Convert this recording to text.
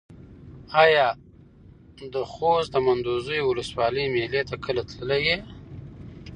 ایا د خوست د منډوزیو ولسوالۍ مېلې ته کله تللی یې؟